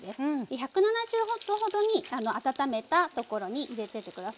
１７０℃ほどに温めたところに入れてってください。